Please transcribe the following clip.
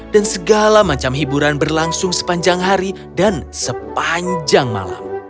dan segala macam hiburan berlangsung sepanjang hari dan sepanjang malam